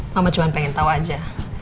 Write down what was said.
mama cuma pengen tahu aja